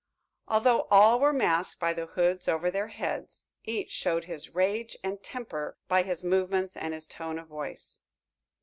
Although all were masked by the hoods over their heads, each showed his rage and temper by his movements and his tone of voice.